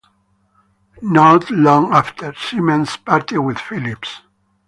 Not long after, Siemens parted with Philips.